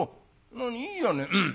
「何いいじゃない。